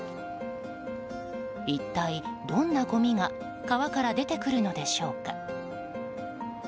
一体どんなごみが川から出てくるのでしょうか。